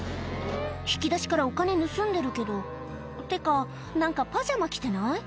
引き出しからお金盗んでるけどってか何かパジャマ着てない？